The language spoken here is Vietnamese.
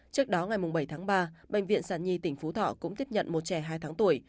trước đó ngày bảy tháng ba bệnh viện sản nhi tỉnh phú thọ cũng tiếp nhận một trẻ hai tháng tuổi